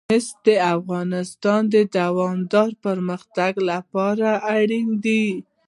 مس د افغانستان د دوامداره پرمختګ لپاره اړین دي.